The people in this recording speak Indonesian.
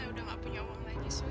jadi semalam lu nggak bawa duit ya